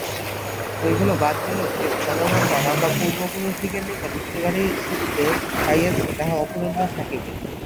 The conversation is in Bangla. ঐগুলি বাদ দিলেও যে- ধনভাণ্ডার আমরা পূর্বপুরুষদিগের নিকট উত্তরাধিকারসূত্রে পাইয়াছি, তাহা অফুরন্ত থাকিবে।